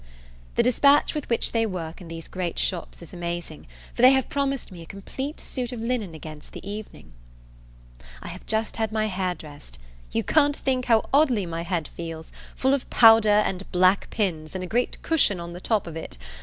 The dispatch with which they work in these great shops is amazing, for they have promised me a complete suit of linen against the evening. I have just had my hair dressed. You can't think how oddly my head feels; full of powder and black pins, and a great cushion on the top of it.